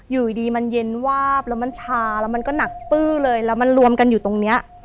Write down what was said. อยู่ดีมันเย็นวาบแล้วมันชาแล้วมันก็หนักปื้อเลยแล้วมันรวมกันอยู่ตรงเนี้ย